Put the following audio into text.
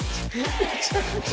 めちゃくちゃ。